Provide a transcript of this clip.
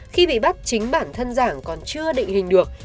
khi bị bắt chính bản thân giảng còn chưa định hình được